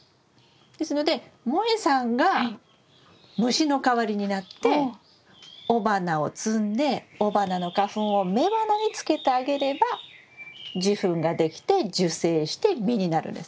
ですのでもえさんが虫の代わりになって雄花を摘んで雄花の花粉を雌花につけてあげれば受粉ができて受精して実になるんです。